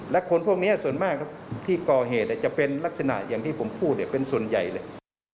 และคนพวกนี้ส่วนมากที่ก่อเหตุจะเป็นลักษณะอย่างที่ผมพูดเป็นส่วนใหญ่เลย